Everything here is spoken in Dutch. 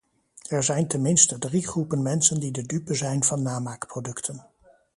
Er zijn ten minste drie groepen mensen die de dupe zijn van namaakproducten.